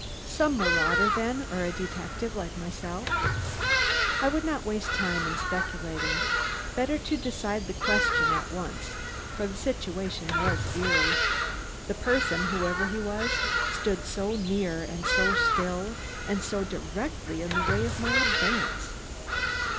Some marauder, then, or a detective, like myself? I would not waste time in speculating; better to decide the question at once, for the situation was eery, the person, whoever he was, stood so near and so still, and so directly in the way of my advance.